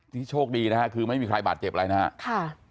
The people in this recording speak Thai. นี่โชคดีนะฮะคือไม่มีใครบาดเจ็บอะไรนะครับ